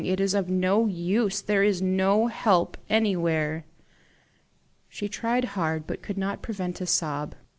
It is of no use! There is no help anywhere!" She tried hard, but could not prevent a sob.